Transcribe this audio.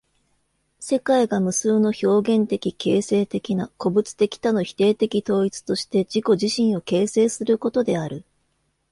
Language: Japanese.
世界が無数の表現的形成的な個物的多の否定的統一として自己自身を形成することである。